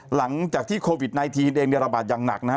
หลังจากที่โควิด๑๙เองเนี่ยระบาดอย่างหนักนะฮะ